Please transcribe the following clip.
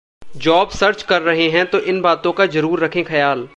job search कर रहे हैं तो इन बातों का जरूर रखें ख्याल